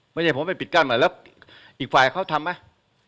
ไม่ใช่ผมไปปิดกั้นมาแล้วอีกฝ่ายเขาทำไหม